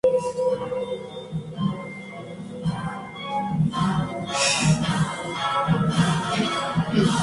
Está abierta de martes a sábado y se puede ofrecer orientación de forma gratuita.